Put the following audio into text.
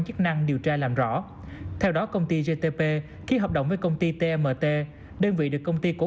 chức năng điều tra làm rõ theo đó công ty gtp ký hợp đồng với công ty tmt đơn vị được công ty cổ